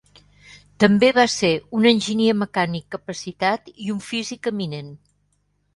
També va ser un enginyer mecànic capacitat i un físic eminent.